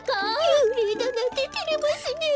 ゆうれいだなんててれますねえ。